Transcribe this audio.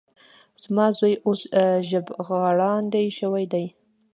زما زوی اوس ژبغړاندی شوی دی.